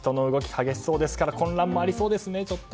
激しそうですから混乱もありそうですね、ちょっと。